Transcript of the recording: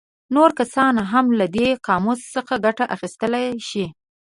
نور کسان هم له دې قاموس څخه ګټه اخیستلی شي.